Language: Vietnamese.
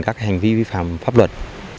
các hành vi vi phạm pháp luật